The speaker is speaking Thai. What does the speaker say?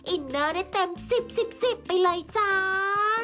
อินเนอร์ได้เต็มสิบไปเลยจ้า